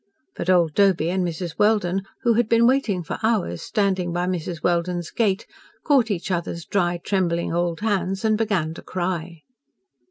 But old Doby and Mrs. Welden, who had been waiting for hours, standing by Mrs. Welden's gate, caught each other's dry, trembling old hands and began to cry.